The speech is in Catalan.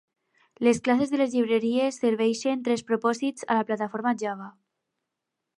Les classes de les llibreries serveixen tres propòsits a la Plataforma Java.